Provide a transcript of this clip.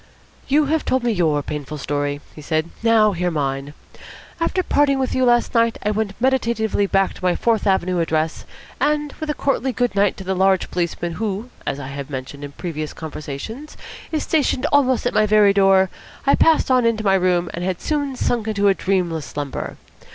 "You have told me your painful story," he said. "Now hear mine. After parting with you last night, I went meditatively back to my Fourth Avenue address, and, with a courtly good night to the large policeman who, as I have mentioned in previous conversations, is stationed almost at my very door, I passed on into my room, and had soon sunk into a dreamless slumber.